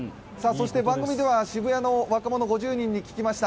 番組では渋谷の若者５０人に聞きました。